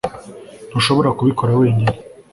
Ntushobora kubikora wenyine